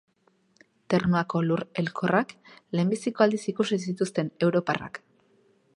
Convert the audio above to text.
Ternuako lur elkorrak lehenbiziko aldiz ikusi zituzten europarrak.